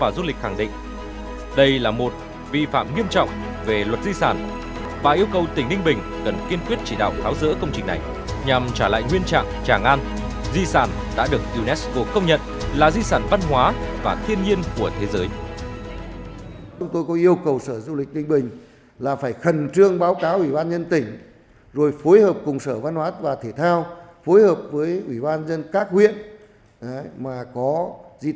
di sản đã được unesco công nhận là di sản văn hóa và thiên nhiên của thế giới